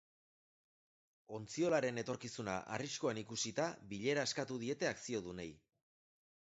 Ontziolaren etorkizuna arriskuan ikusita, bilera eskatu diete akziodunei.